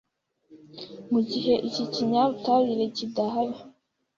mu gihe iki kinyabutabire kidahari